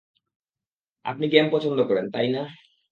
আপনি গেম পছন্দ করেন, তাই না?